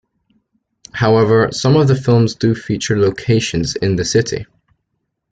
However, some of the films do feature locations in the city.